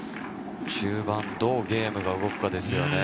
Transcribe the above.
中盤、どうゲームが動くかですよね。